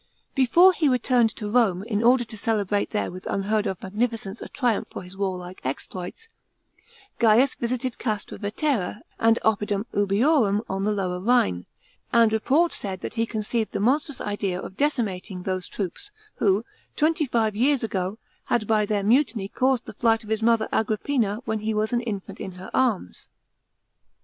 Before he returned to Home, in order to celebrate there with unheard of magnificence a triumph for his warlike exploits, Gaius visited Castra Vetera and Oppidum Ubiorum on the Lower Rhine; and report said that he conceived the monstrous idea of decimating those troops, who, twenty five years ago, had by their mutiny caused the flight of his mother Agrippina, when he was an infant in her arms.